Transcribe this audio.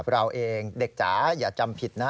เราเองเด็กจ๋าอย่าจำผิดนะ